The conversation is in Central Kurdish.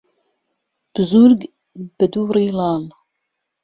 بزورگ به دوڕی لاڵ